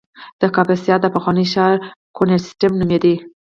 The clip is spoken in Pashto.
د کاپیسا د پخواني ښار کوینټیسیم نومېده